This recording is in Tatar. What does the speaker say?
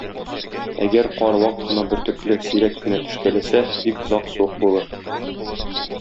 Әгәр кар вак кына бөртекле, сирәк кенә төшкәләсә, бик озак суык булыр.